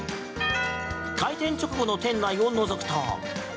開店直後の店内をのぞくと。